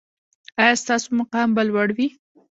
ایا ستاسو مقام به لوړ وي؟